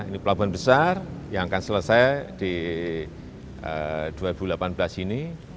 ini pelabuhan besar yang akan selesai di dua ribu delapan belas ini